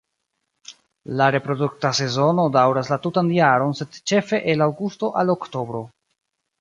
La reprodukta sezono daŭras la tutan jaron sed ĉefe el aŭgusto al oktobro.